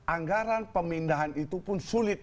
anggaran pemindahan itu pun sulit